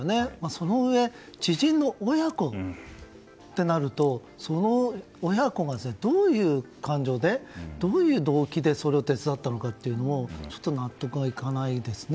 そのうえ、知人の親子となるとその親子がどういう感情でどういう動機でそれを手伝ったのかというのが納得がいかないですね。